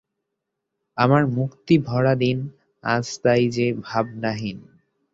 আমার মুক্তিভরা দিন আজ তাই যে ভাবনাহীন।